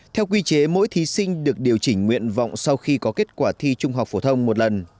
theo quy chế mỗi thí sinh được điều chỉnh nguyện vọng sau khi có kết quả thi trung học phổ thông một lần